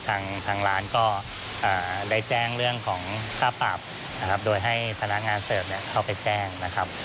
ทางร้านก็ได้แจ้งเรื่องของค่าปรับนะครับโดยให้พนักงานเสิร์ฟเข้าไปแจ้งนะครับ